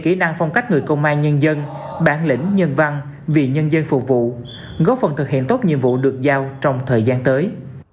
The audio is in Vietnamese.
kỹ năng phong cách người công an nhân dân bản lĩnh nhân văn vì nhân dân phục vụ góp phần thực hiện tốt nhiệm vụ được giao trong thời gian tới